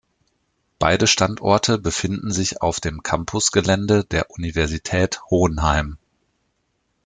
Beide Standorte befinden sich auf dem Campusgelände der Universität Hohenheim.